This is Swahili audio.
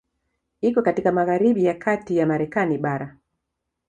Iko katika magharibi ya kati ya Marekani bara.